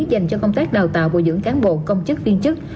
dành cho công tác đào tạo bồi dưỡng cán bộ công chức viên chức